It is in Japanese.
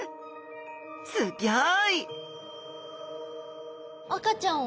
すっギョい！